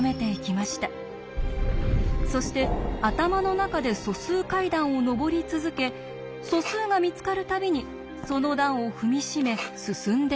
そして頭の中で素数階段を上り続け素数が見つかる度にその段を踏み締め進んでいきました。